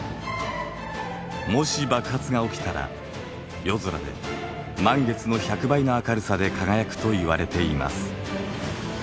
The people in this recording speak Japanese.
もし爆発が起きたら夜空で満月の１００倍の明るさで輝くといわれています。